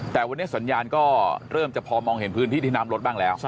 แต่วันนี้สัญญาณก็เริ่มจะพอมองเห็นพื้นที่ที่น้ำลดบ้างแล้ว